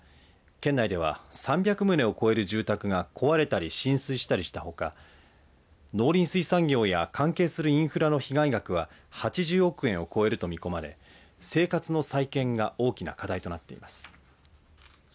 県内では３００棟を超える住宅が壊れたり浸水したりしたほか農林水産業や関係するインフラの被害額は８０億円を超えると見込まれ生活の再建が大きな課題となっています。